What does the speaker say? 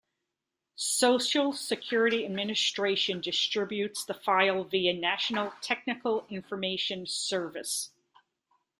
Social Security Administration distributes the file via National Technical Information Service.